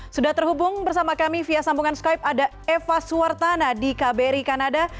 sudah terhubung bersama kami via sambungan skype ada eva suwartana di kbri kanada